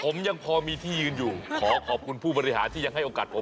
ผมยังพอมีที่ยืนอยู่ขอขอบคุณผู้บริหารที่ยังให้โอกาสผม